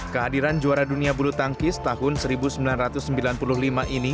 kehadiran juara dunia bulu tangkis tahun seribu sembilan ratus sembilan puluh lima ini